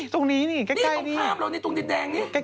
ตรงนี้นี่ใกล้นี่ตรงภาพเรานี่ตรงดินแดงนี่